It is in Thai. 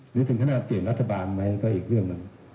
หรือถึงขนาดเปลี่ยนรัฐบาลไหมก็อีกเรื่องมัน